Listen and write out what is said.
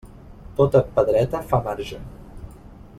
Tota pedreta fa marge.